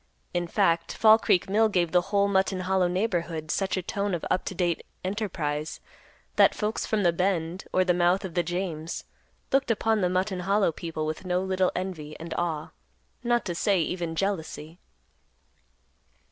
In fact, Fall Creek Mill gave the whole Mutton Hollow neighborhood such a tone of up to date enterprise, that folks from the Bend, or the mouth of the James, looked upon the Mutton Hollow people with no little envy and awe, not to say even jealousy.